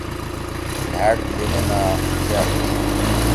لھأڑ لینے ما بأر ہوئی۔